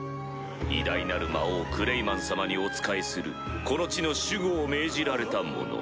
偉大なる魔王クレイマン様にお仕えするこの地の守護を命じられた者。